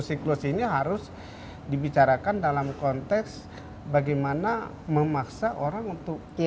siklus ini harus dibicarakan dalam konteks bagaimana memaksa orang untuk